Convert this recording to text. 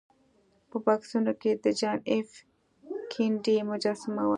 په بکسونو کې د جان ایف کینیډي مجسمه وه